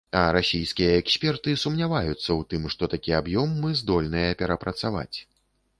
А расійскія эксперты сумняваюцца ў тым, што такі аб'ём мы здольныя перапрацаваць.